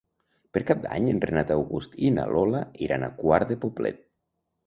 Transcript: Per Cap d'Any en Renat August i na Lola iran a Quart de Poblet.